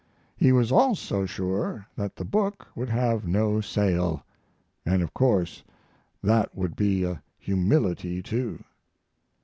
He was also sure that the book would have no sale, and of course that would be a humility too.